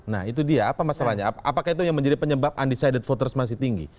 nah itu dia apa masalahnya apakah itu yang menjadi penyebab undecided voters masih tinggi